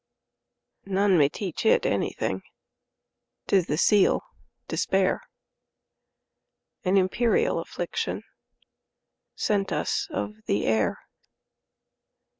None may teach it anything,'T is the seal, despair,—An imperial afflictionSent us of the air.